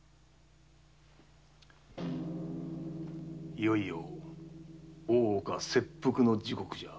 いよいよ大岡切腹の時刻だ。